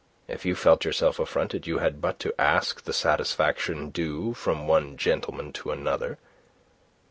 If you felt yourself affronted, you had but to ask the satisfaction due from one gentleman to another.